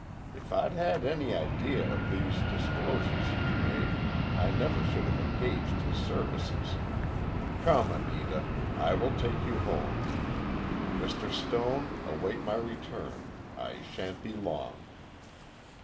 If I'd had any idea of these disclosures you've made, I never should have engaged his services. Come, Anita, I will take you home. Mr. Stone, await my return. I shan't be long."